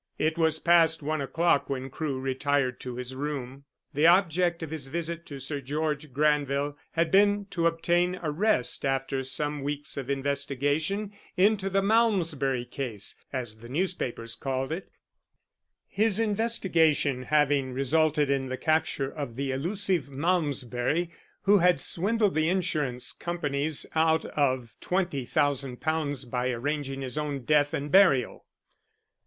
It was past one o'clock when Crewe retired to his room. The object of his visit to Sir George Granville had been to obtain a rest after some weeks of investigation into the Malmesbury case, as the newspapers called it; his investigation having resulted in the capture of the elusive Malmesbury who had swindled the insurance companies out of £20,000 by arranging his own death and burial.